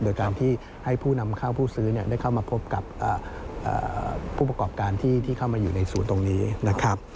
โดยการที่ให้ผู้นำเข้าผู้ซื้อได้เข้ามาพบกับผู้ประกอบการที่เข้ามาอยู่ในศูนย์ตรงนี้นะครับ